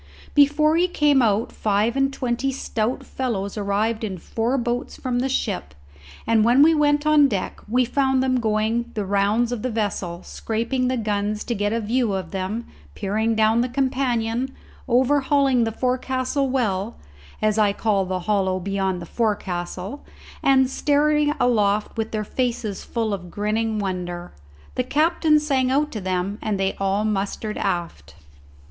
Before he came out five and twenty stout fellows arrived in four boats from the ship, and when we went on deck, we found them going the rounds of the vessel, scraping the guns to get a view of them, peering down the companion, overhauling the forecastle well, as I call the hollow beyond the forecastle, and staring aloft with their faces full of grinning wonder. The captain sang out to them and they all mustered aft.